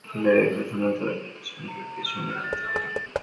ভিয়েতনামিজদের আনন্দটা আরও বেড়ে গেছে সোনা জয়ের পথে চীনকে পেছনে ফেলতে পেরে।